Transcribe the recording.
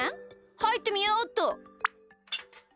はいってみようっと。